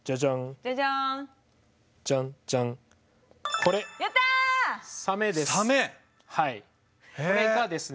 これがですね